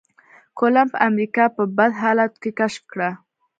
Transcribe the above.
کولمب امريکا په بد حالاتو کې کشف کړه.